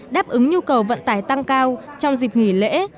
đáp ứng nhu cầu vận tải tăng cao trong dịp nghỉ lễ